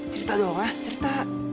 cerita doang ya cerita